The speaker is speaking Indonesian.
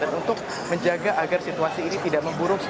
dan untuk menjaga agar situasi ini tidak memburuk